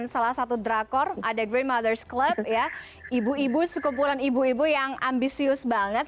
salah satu drakor ada green mothers club ya ibu ibu sekumpulan ibu ibu yang ambisius banget